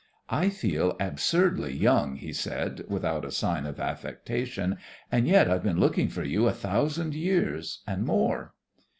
"I feel absurdly young," he said without a sign of affectation, "and yet I've been looking for you a thousand years and more."